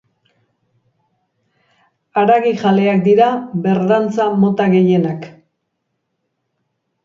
Haragijaleak dira berdantza mota gehienak.